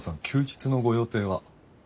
休日のご予定は？